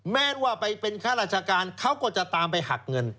แม้ว่าไปเป็นข้าราชการเขาก็จะตามไปหักเงิน